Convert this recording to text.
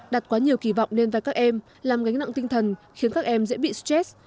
đặt quá nhiều kỳ vọng nên vai các em làm gánh nặng tinh thần khiến các em dễ bị stress